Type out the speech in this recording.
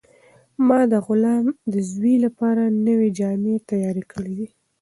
ما د غلام د زوی لپاره نوې جامې تیارې کړې دي.